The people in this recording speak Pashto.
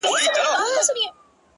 • راسره جانانه ستا بلا واخلم ـ